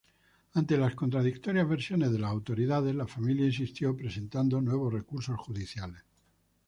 Ante las contradictorias versiones de las autoridades, la familia insistió presentando nuevos recursos judiciales.